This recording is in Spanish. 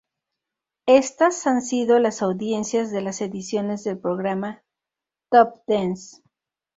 Estas han sido las audiencias de las ediciones del programa "Top Dance".